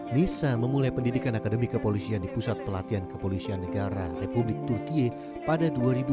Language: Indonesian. nisa memulai pendidikan akademi kepolisian di pusat pelatihan kepolisian negara republik turkiye pada dua ribu dua